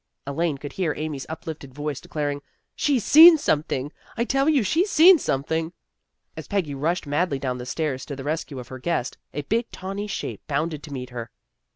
Elaine could hear Amy's uplifted voice declaring, " She's seen something! I tell you she's seen something! " As Peggy rushed madly down the stairs to the rescue of her guest, a big tawny shape bounded to meet her.